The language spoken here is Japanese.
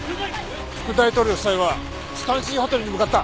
副大統領夫妻はスタンシーホテルに向かった。